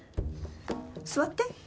座って。